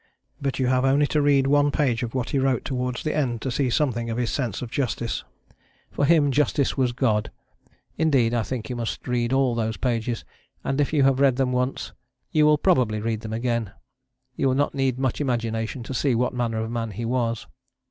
But you have only to read one page of what he wrote towards the end to see something of his sense of justice. For him justice was God. Indeed I think you must read all those pages; and if you have read them once, you will probably read them again. You will not need much imagination to see what manner of man he was.